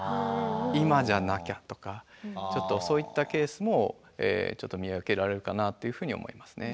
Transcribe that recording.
「今じゃなきゃ」とかちょっとそういったケースもちょっと見受けられるかなというふうに思いますね。